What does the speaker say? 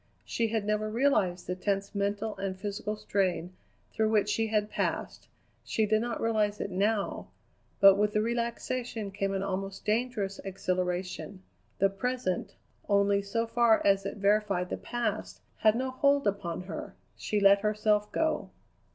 She had never realized the tense mental and physical strain through which she had passed; she did not realize it now, but with the relaxation came an almost dangerous exhilaration. The present, only so far as it verified the past, had no hold upon her; she let herself go.